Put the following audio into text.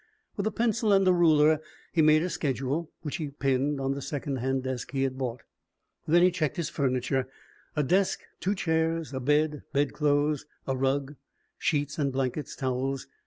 With a pencil and a ruler he made a schedule, which he pinned on the second hand desk he had bought. Then he checked his furniture: a desk, two chairs, a bed, bed clothes, a rug, sheets and blankets, towels.